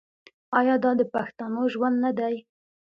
آیا دا د پښتنو ژوند نه دی؟